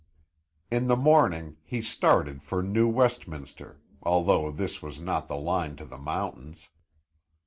In the morning he started for New Westminster, although this was not the line to the mountains.